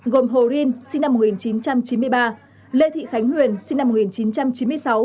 gồm hồ rin sinh năm một nghìn chín trăm chín mươi ba lê thị khánh huyền sinh năm một nghìn chín trăm chín mươi sáu